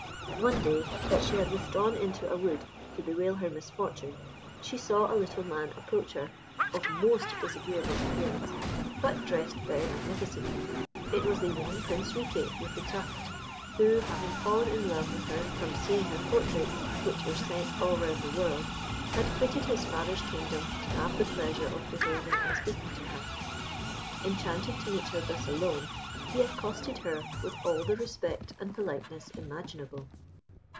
One day that she had withdrawn into a wood to bewail her misfortune, she saw a little man approach her, of most disagreeable appearance, but dressed very magnificently. It was the young Prince Riquet with the Tuft, who, having fallen in love with her from seeing her portraits, which were sent all round the world, had quitted his father's kingdom to have the pleasure of beholding and speaking to her. Enchanted to meet her thus alone, he accosted her with all the respect and politeness imaginable.